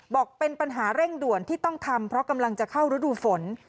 บอกเป็นปัญหาเร่งด่วนที่ต้องทำเพราะกำลังจะเข้ารูดูฝน